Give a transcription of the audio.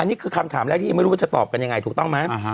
นี่คือคำถามแรกที่ยังไม่รู้ว่าจะตอบกันยังไงถูกต้องไหม